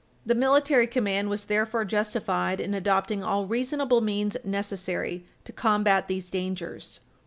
The military command was therefore justified in adopting all reasonable means necessary to combat these dangers.